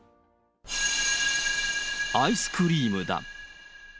アイスクリームだ。